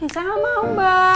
saya gak mau mbak